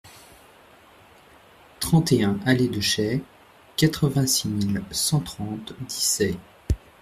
trente et un allée de Chaix, quatre-vingt-six mille cent trente Dissay